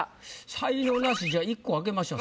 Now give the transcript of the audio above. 才能ナシじゃあ１個開けましょう。